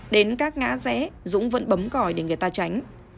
đến các ngã rẽ dũng vẫn bấm còi để người ta tránh